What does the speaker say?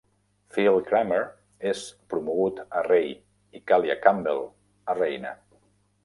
Phil Kramer és promogut a Rei i Kalia Campbell a Reina.